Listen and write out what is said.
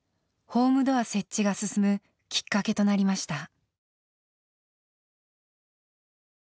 ホームドア設置が進むきっかけとなりました。